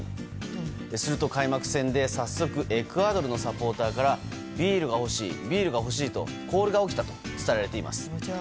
すると、開幕戦で早速エクアドルのサポーターからビールが欲しい、ビールが欲しいとコールが起きたと伝えられています。